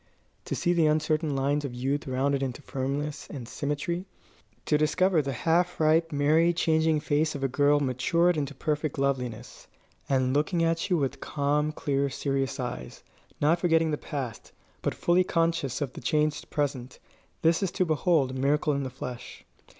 To see the uncertain lines of youth rounded into firmness and symmetry, to discover the half ripe, merry, changing face of the girl matured into perfect loveliness, and looking at you with calm, clear, serious eyes, not forgetting the past, but fully conscious of the changed present this is to behold a miracle in the flesh.